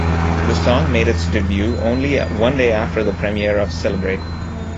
The song made its debut only one day after the premiere of "Celebrate".